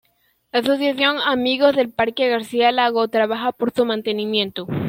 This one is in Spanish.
La asociación "Amigos del Parque Garcia Lago" trabaja por su mantenimiento.